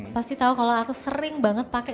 pasti tau kalo aku sering banget pake